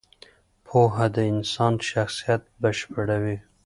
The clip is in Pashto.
پوهه د انسان شخصیت بشپړوي.